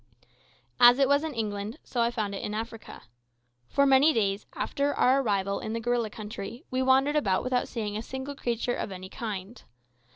As it was in England, so I found it in Africa. For many days after our arrival in the gorilla country, we wandered about without seeing a single creature of any kind.